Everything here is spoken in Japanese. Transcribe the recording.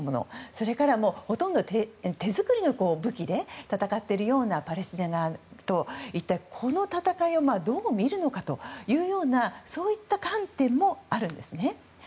それからほとんど手作りの武器で戦っているようなパレスチナ側と一体この戦いをどう見るのかというようなそういった観点もあるんです。